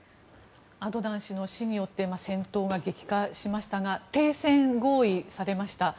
アドナン氏の死によって戦闘が激化しましたが停戦合意されました。